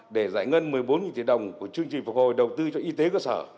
để giải ngân một mươi bốn tỷ đồng của chương trình phục hồi đầu tư cho y tế cơ sở